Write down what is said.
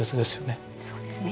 そうですね。